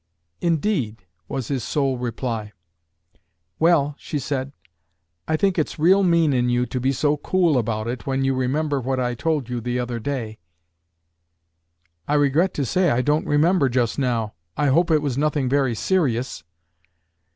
"Indeed?" was his sole reply. "Well," she said, "I think it's real mean in you to be so cool about it when you remember what I told you the other day." "I regret to say I don't remember just now. I hope it was nothing very serious."